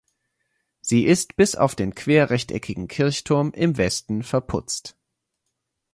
Sie ist bis auf den querrechteckigen Kirchturm im Westen verputzt.